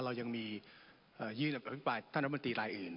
เรายังมียื่นอภิปรายท่านรัฐมนตรีรายอื่น